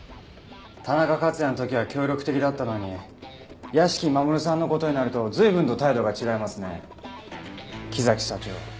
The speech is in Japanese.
田中克也の時は協力的だったのに屋敷マモルさんの事になると随分と態度が違いますね木崎社長。